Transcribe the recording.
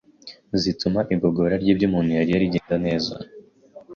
zituma igogora ry’ibyo umuntu yariye rigenda neza,